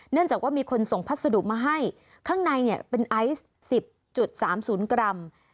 จากว่ามีคนส่งพัสดุมาให้ข้างในเนี่ยเป็นไอซ์๑๐๓๐กรัม